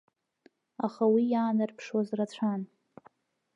Аха уи иаанарԥшуаз рацәан.